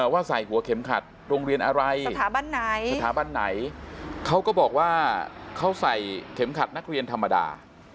ว่าใส่หัวเข็มขัดโรงเรียนอะไรสถาบันไหนสถาบันไหนเขาก็บอกว่าเขาใส่เข็มขัดนักเรียนธรรมดา